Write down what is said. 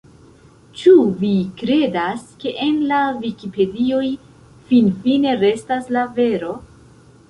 Ĉu vi kredas, ke en la vikipedioj finfine restas la vero?